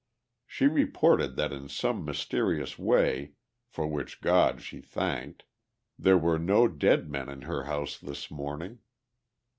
She reported that in some mysterious way, for which God be thanked, there were no dead men in her house this morning.